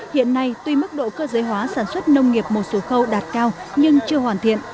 hiện nay tuy mức độ cơ giới hóa sản xuất nông nghiệp một số khâu đạt cao nhưng chưa hoàn thiện